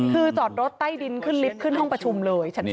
คือจอดรถใต้ดินขึ้นลิฟต์ขึ้นห้องประชุมเลยชั้น๒